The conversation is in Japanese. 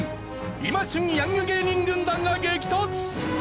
今旬ヤング芸人軍団が激突！